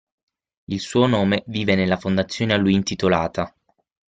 Il suo nome vive nella fondazione a lui intitolata.